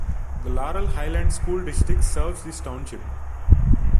The Laurel Highlands School District serves this township.